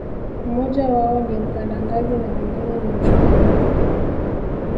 mmoja wao ni mpanda ngazi na mwingine ni mshuka ngazi.